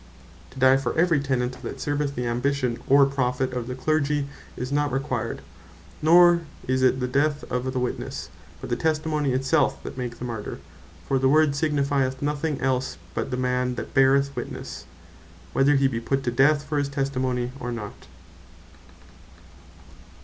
To die for every tenet that serveth the ambition, or profit of the Clergy, is not required; nor is it the Death of the Witnesse, but the Testimony it self that makes the Martyr: for the word signifieth nothing else, but the man that beareth Witnesse, whether he be put to death for his testimony, or not.